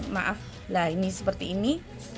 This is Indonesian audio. maaf lah ini seperti ini